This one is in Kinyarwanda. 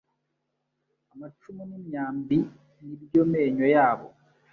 Amacumu n’imyambi ni byo menyo yabo